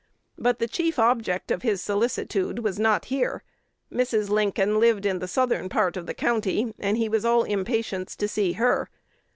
But the chief object of his solicitude was not here; Mrs. Lincoln lived in the southern part of the county, and he was all impatience to see her.